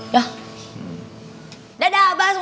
dadah bah assalamualaikum